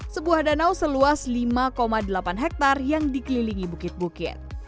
sebuah danau seluas lima delapan hektare yang dikelilingi bukit bukit